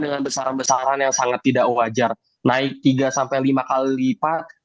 dengan besaran besaran yang sangat tidak wajar naik tiga sampai lima kali lipat